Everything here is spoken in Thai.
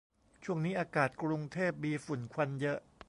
ช่วงนี้อากาศกรุงเทพมีฝุ่นควันเยอะ